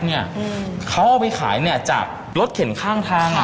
เขาเอาไปขายจากรถเข็นข้างทาง